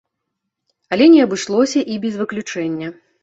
Але не абышлося і без выключэння.